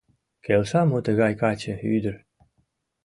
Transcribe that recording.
Келша мо тыгай каче, ӱдыр?